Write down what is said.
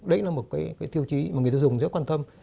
đấy là một cái tiêu chí mà người tiêu dùng rất quan tâm